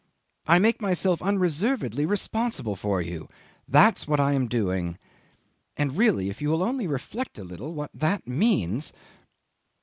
I make myself unreservedly responsible for you. That's what I am doing. And really if you will only reflect a little what that means